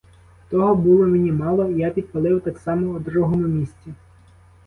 Того було мені мало, і я підпалив так само у другому місці.